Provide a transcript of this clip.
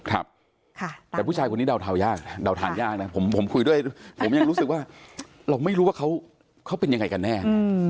แต่ผู้ชายคนนี้เดายากนะเดาทานยากนะผมคุยด้วยผมยังรู้สึกว่าเราไม่รู้ว่าเขาเป็นยังไงกันแน่